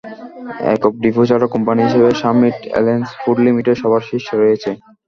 একক ডিপো ছাড়া কোম্পানি হিসেবে সামিট অ্যালায়েন্স পোর্ট লিমিটেড সবার শীর্ষে রয়েছে।